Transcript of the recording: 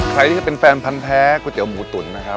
ใครที่จะเป็นแฟนพันธ์แท้ก๋วยเตี๋หมูตุ๋นนะครับ